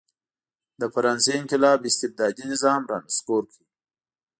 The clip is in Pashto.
د فرانسې انقلاب استبدادي نظام را نسکور کړ.